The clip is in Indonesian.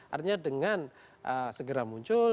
artinya dengan segera muncul